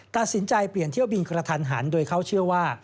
ตัดสินใจเปลี่ยนเที่ยวบินกระทันหันโดยเขาเชื่อว่า